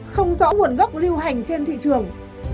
không rõ nguồn gốc lưu hành trên thị trường